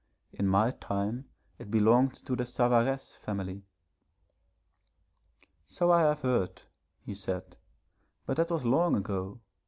In my time it belonged to the Savaresse family.' 'So I have heard,' he said, 'but that was long ago.